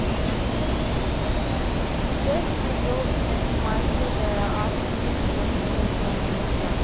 There he rebuilt Saint Michael the Archangel's Church to his own design.